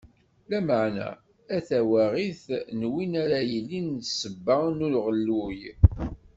Lameɛna, a tawaɣit n win ara yilin d ssebba n uɣelluy!